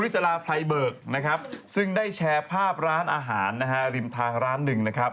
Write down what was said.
ซึ่งได้แชร์ภาพร้านอาหารริมทางร้านหนึ่ง